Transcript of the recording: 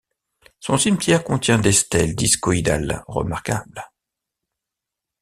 Son cimetière contient des stèles discoïdales remarquables.